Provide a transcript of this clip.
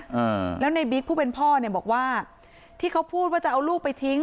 อ่าแล้วในบิ๊กผู้เป็นพ่อเนี่ยบอกว่าที่เขาพูดว่าจะเอาลูกไปทิ้ง